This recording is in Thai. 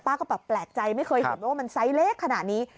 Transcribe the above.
ก็แบบแปลกใจไม่เคยเห็นว่ามันไซส์เล็กขนาดนี้